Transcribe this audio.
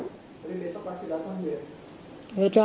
tapi besok masih datang ya